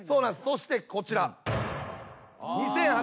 そしてこちら。